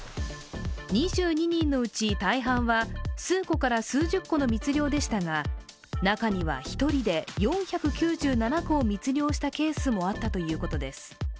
２２人のうち大半は数個から数十個の密漁でしたが中には１人で４９７個を密漁したケースもあったということです。